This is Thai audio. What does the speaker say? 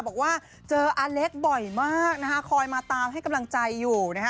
บอกว่าเจออาเล็กบ่อยมากนะคะคอยมาตามให้กำลังใจอยู่นะฮะ